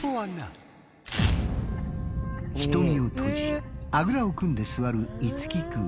瞳を閉じあぐらを組んで座る樹君。